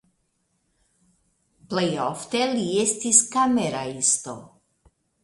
Plej ofte li estis kameraisto.